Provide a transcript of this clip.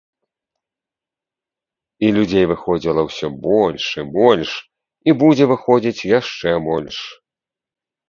І людзей выходзіла ўсё больш і больш, і будзе выходзіць яшчэ больш.